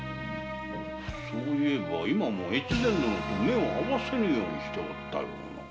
そう言えば今も大岡殿に目を合わせぬようにしておった。